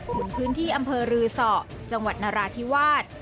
พื้นที่อำเภอรือสอจังหวัดนราธิวาส